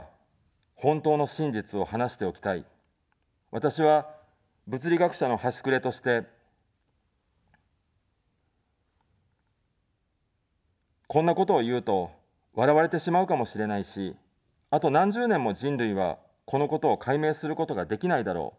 私は、物理学者の端くれとして、こんなことを言うと笑われてしまうかもしれないし、あと何十年も人類は、このことを解明することができないだろう。